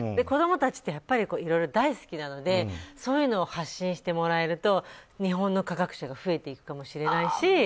子供たちって大好きなのでそういうのを発信してもらえると日本の科学者が増えていくかもしれないし。